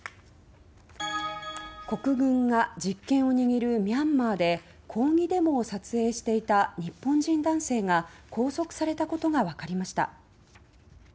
国軍が実権を握るミャンマーで抗議デモを撮影していた日本人男性が拘束されたことがわかりました。